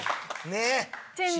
ねえ。